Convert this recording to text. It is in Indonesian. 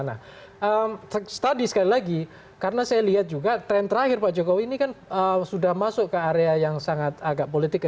nah tadi sekali lagi karena saya lihat juga tren terakhir pak jokowi ini kan sudah masuk ke area yang sangat agak politik